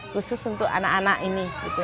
khusus untuk anak anak ini